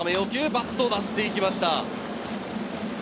バットを出していきました。